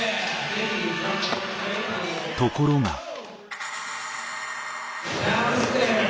ところが。